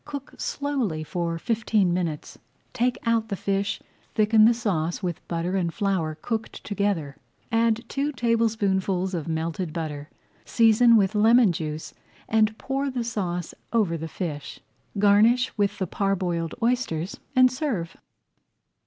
Cook slowly for fifteen minutes, take out the fish, thicken the sauce with butter and flour cooked together, add two tablespoonfuls of melted butter, season with lemon juice, and pour the sauce over the fish. Garnish with the parboiled oysters and serve.